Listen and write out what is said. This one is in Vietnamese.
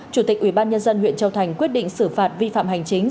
chủ tịch ubnd huyện châu thành quyết định xử phạt vi phạm hành chính